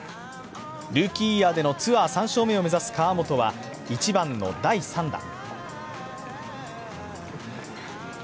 ルーキーイヤーでのツアー３勝目を目指す河本は１番の第３打。